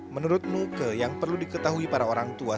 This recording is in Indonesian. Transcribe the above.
menurut nuke yang perlu diketahui para orang tua